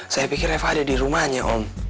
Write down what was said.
saya pikir eva ada di rumahnya om